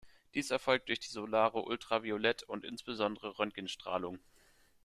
Dies erfolgt durch die solare Ultraviolett- und insbesondere Röntgenstrahlung.